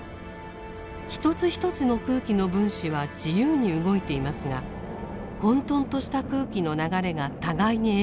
一つ一つの空気の分子は自由に動いていますが混沌とした空気の流れが互いに影響し合い